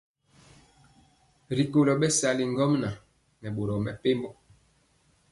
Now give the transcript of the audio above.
D@Rikolo bɛsali ŋgomnaŋ nɛ boro mepempɔ.